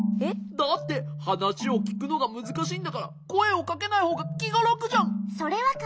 だって話をきくのがむずしいんだからこえをかけないほうがきがらくじゃん！